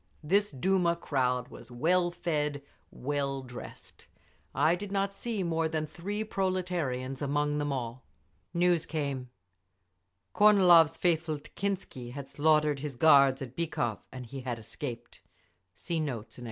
This Duma crowd was well fed, well dressed; I did not see more than three proletarians among them all…. News came. Kornilov's faithful Tekhintsi had slaughtered his guards at Bykhov, and he had escaped.